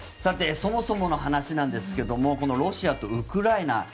そもそもの話なんですけどもロシアとウクライナ